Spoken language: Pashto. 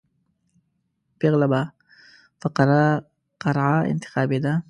پېغله به په قرعه انتخابېده.